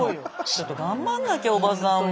ちょっと頑張んなきゃおばさんも。